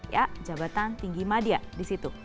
ya jabatan tinggi madya disitu